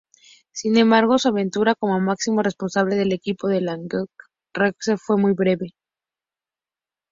Sin embargo, su aventura como máximo responsable del equipo del Languedoc-Rosellón fue muy breve.